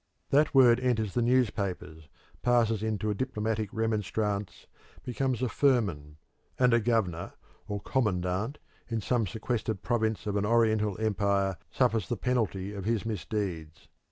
That word enters the newspapers, passes into a diplomatic remonstrance, becomes a firman, and a governor or commandant in some sequestered province of an Oriental empire suffers the penalty of his misdeeds.